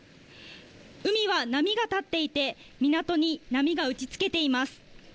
海は波が立っていて、港に波が打ちつけています。